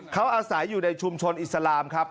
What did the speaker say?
เขาอาศัยอยู่ในชุมชนอิสลามครับ